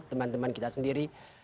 teman teman kita sendiri